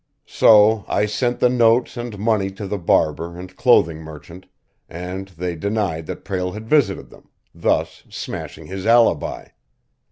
"So I sent the notes and money to the barber and clothing merchant, and they denied that Prale had visited them, thus smashing his alibi.